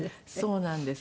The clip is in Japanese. そうなんです。